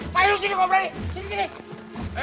pakirin sini gue berani sini